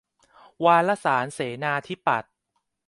วารสารเสนาธิปัตย์